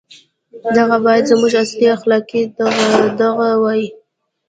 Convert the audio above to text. • دغه باید زموږ اصلي اخلاقي دغدغه وای.